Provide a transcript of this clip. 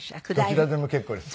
どちらでも結構です。